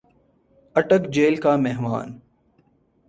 اٹک jail کا مہمان